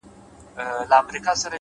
پوهه د محدودو نظریو پولې پراخوي’